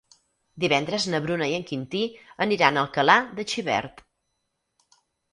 Divendres na Bruna i en Quintí aniran a Alcalà de Xivert.